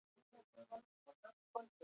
ستا د مخ له شرم څخه.